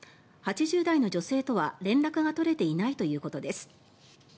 ８０代の女性とは連絡が取れていないということです。